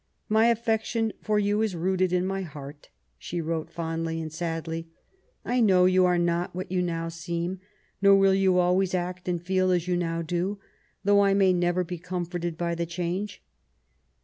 " My affection for you is rooted in my heart,'' she wrote fondly and sadly. ^' 1 know you are not what you now seem, nor will you always act and feel as you now do, though I may never be comforted by the change.